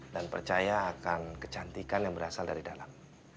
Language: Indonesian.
dan percaya akan kecantikan yang berasal dari dalam